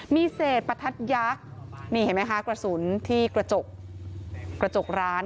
มีเศษประทัดยักษ์นี่เห็นไหมคะกระสุนที่กระจกร้าน